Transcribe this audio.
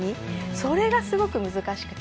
それが、すごく難しくて。